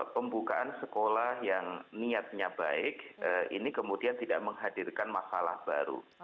pembukaan sekolah yang niatnya baik ini kemudian tidak menghadirkan masalah baru